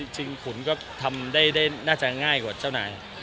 ขุนก็ทำได้น่าจะง่ายกว่าเจ้านาย